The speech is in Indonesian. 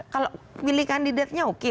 kalau milih kandidatnya oke